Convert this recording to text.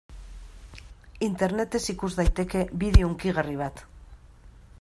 Internetez ikus daiteke bideo hunkigarri bat.